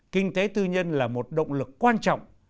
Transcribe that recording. kinh tế tư nhân là một động lực quan trọng